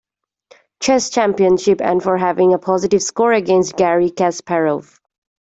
Chess Championship, and for having a positive score against Garry Kasparov.